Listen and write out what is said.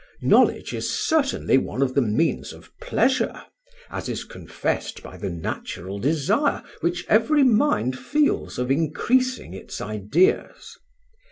Knowledge is certainly one of the means of pleasure, as is confessed by the natural desire which every mind feels of increasing its ideas.